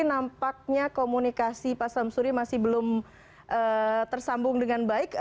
mohon maaf pak samsuri nampaknya komunikasi pak samsuri masih belum tersambung dengan baik